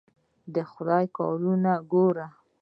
د خدای کارونه ګوره!